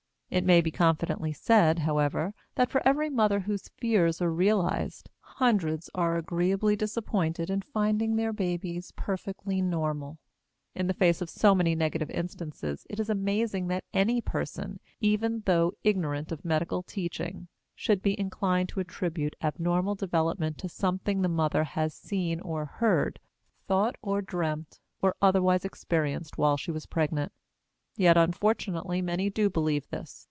It may be confidently said, however, that, for every mother whose fears are realized, hundreds are agreeably disappointed in finding their babies perfectly normal. In the face of so many negative instances it is amazing that any person, even though ignorant of medical teaching, should be inclined to attribute abnormal development to something the mother has seen or heard, thought or dreamt, or otherwise experienced while she was pregnant. Yet unfortunately many do believe this.